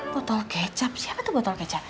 botol kecap siapa tuh botol kecap